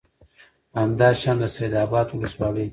همدا شان د سید آباد ولسوالۍ ته